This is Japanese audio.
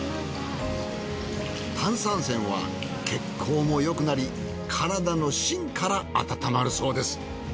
炭酸泉は血行もよくなり体の芯から温まるそうです。